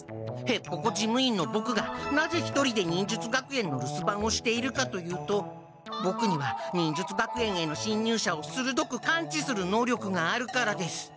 へっぽこ事務員のボクがなぜ一人で忍術学園の留守番をしているかというとボクには忍術学園へのしんにゅう者をするどく感知する能力があるからです。